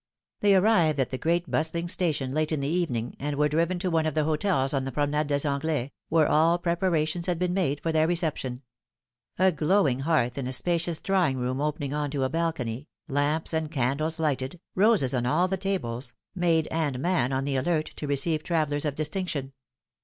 They arrived at the great bustling station late in the evening, and were driven to one of the hotels on the Promenade des Anglais, where all preparations had been made for their reception : a glowing hearth in a spacious drawing room opening on to a balcony, lamps and candles lighted, roses on all the tables, maid and man on the alert to receive travellers of distinction.